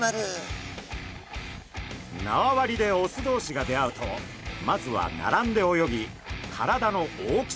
縄張りでオス同士が出会うとまずは並んで泳ぎ体の大きさを比べます。